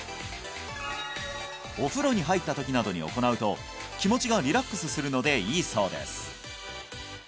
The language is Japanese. お風呂に入った時などに行うと気持ちがリラックスするのでいいそうです